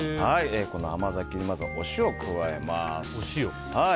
この甘酒にお塩を加えます。